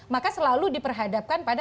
maka selalu diperhadapkan pada